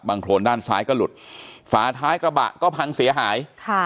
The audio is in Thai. โครนด้านซ้ายก็หลุดฝาท้ายกระบะก็พังเสียหายค่ะ